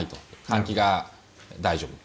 換気が大丈夫。